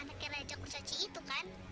anaknya raja kucaci itu kan